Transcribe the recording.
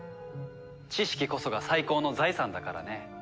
知識こそが最高の財産だからね。